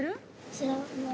◆知らない。